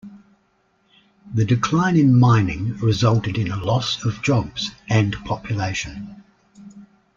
The decline in mining resulted in a loss of jobs and population.